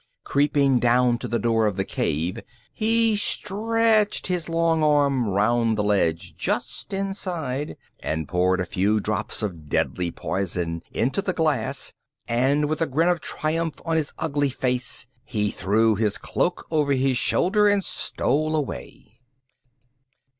Creeping down to the door of the cave, he stretched his long arm round the ledge just inside, and poured a few drops of deadly poison into the glass, and, with a grin of triumph on his ugly face, he threw his cloak over his shoulder and stole away.